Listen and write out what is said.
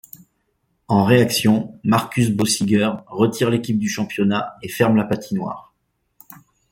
En réaction, Markus Bösiger retire l’équipe du championnat et ferme la patinoire.